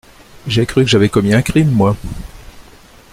J’ai cru que j’avais commis un crime, moi.